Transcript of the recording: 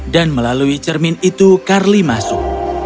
dan melalui cermin itu carly masuk